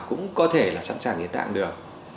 cũng có thể là sẵn sàng hiến tạng được